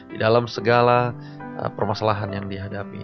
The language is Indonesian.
di dalam segala permasalahan yang dihadapi